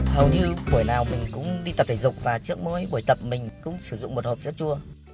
hầu như tuổi nào mình cũng đi tập thể dục và trước mỗi buổi tập mình cũng sử dụng một hộp rất chua